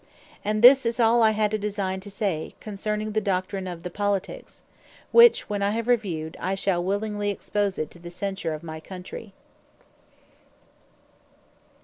And this is all I had a designe to say, concerning the Doctrine of the POLITIQUES. Which when I have reviewed, I shall willingly expose it to the censure of my Countrey.